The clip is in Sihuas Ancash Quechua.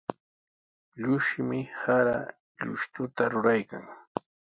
Llushumi sara llushtuta ruraykan.